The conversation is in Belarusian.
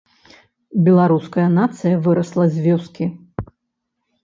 Беларуская нацыя вырасла з вёскі.